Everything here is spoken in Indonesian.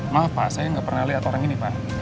maaf pak saya nggak pernah lihat orang ini pak